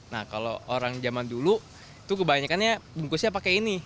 nah kalau orang zaman dulu itu kebanyakannya bungkusnya pakai ini